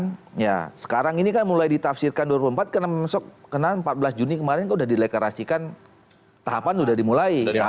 kemudian ya sekarang ini kan mulai ditafsirkan dua ribu dua puluh empat karena masuk ke empat belas juni kemarin udah dilekarasikan tahapan udah dimulai